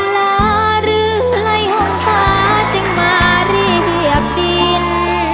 หรือไหล่ห่วงพระจึงมาเรียบดิน